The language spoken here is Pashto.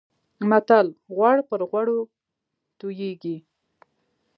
متل: غوړ پر غوړو تويېږي.